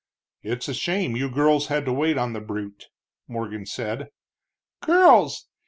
"It's a shame you girls had to wait on the brute," Morgan said. "Girls!